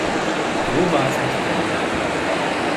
So war es nicht gemeint.